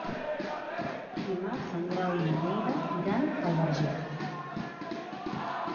Dimarts en Grau i na Neida iran al Verger.